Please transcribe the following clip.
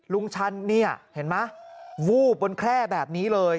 ลุงชันเห็นไหมวูบบนแคร่แบบนี้เลย